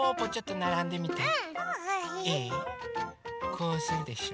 こうするでしょ。